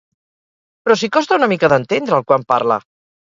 Però si costa una mica d'entendre'l, quan parla!